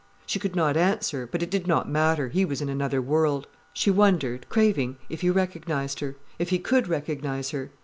She could not answer, but it did not matter, he was in another world. She wondered, craving, if he recognized her—if he could recognize her.